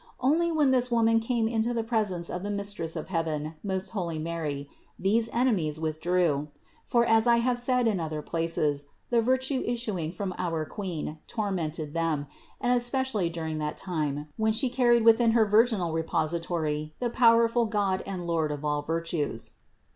Only when this woman came into the presence of the Mis tress of heaven, most holy Mary, these enemies with drew; for, as I have said in other places, the virtue issu ing from our Queen tormented them, and especially dur ing that time when She carried within her virginal re pository the powerful God and Lord of all virtues.